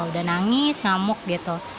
udah nangis ngamuk gitu